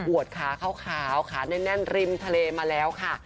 วดขาขาวขาแน่นริมทะเลมาแล้วค่ะ